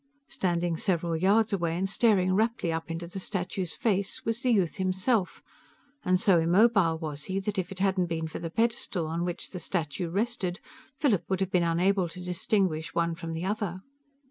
Standing several yards away and staring raptly up into the statue's face was the youth himself, and so immobile was he that if it hadn't been for the pedestal on which the statue rested, Philip would have been unable to distinguish one from the other.